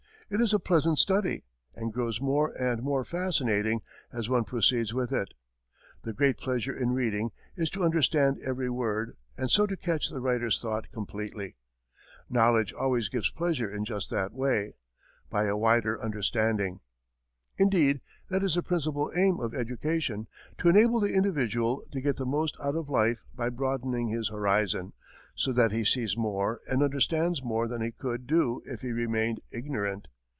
It is a pleasant study, and grows more and more fascinating as one proceeds with it. The great pleasure in reading is to understand every word, and so to catch the writer's thought completely. Knowledge always gives pleasure in just that way by a wider understanding. Indeed, that is the principal aim of education: to enable the individual to get the most out of life by broadening his horizon, so that he sees more and understands more than he could do if he remained ignorant.